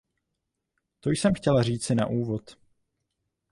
To jsem chtěla říci na úvod.